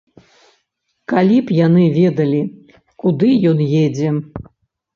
Калі б яны ведалі, куды ён едзе!